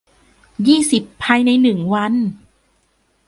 ยี่สิบ ภายใน หนึ่ง วัน